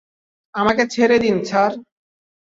আমাকে ছেড়ে দিন, স্যার।